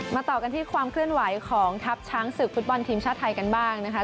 ต่อกันที่ความเคลื่อนไหวของทัพช้างศึกฟุตบอลทีมชาติไทยกันบ้างนะคะ